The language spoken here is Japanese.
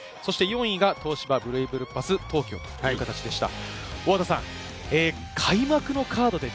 ４位が東芝ブレイブルーパス東京という形でした。